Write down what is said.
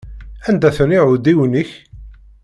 Anda-ten iεudiwen-ik?